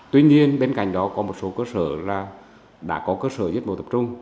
tuy nhiên bên cạnh đó có một số cơ sở đã có cơ sở giết mổ tập trung